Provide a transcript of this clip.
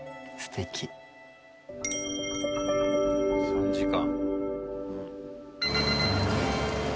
３時間。